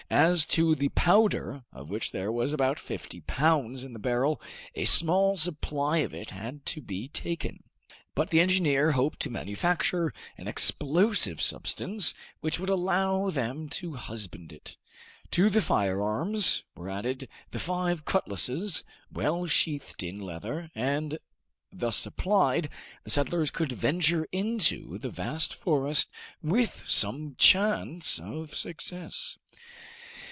As to the powder, of which there was about fifty pounds in the barrel, a small supply of it had to be taken, but the engineer hoped to manufacture an explosive substance which would allow them to husband it. To the firearms were added the five cutlasses well sheathed in leather, and, thus supplied, the settlers could venture into the vast forest with some chance of success.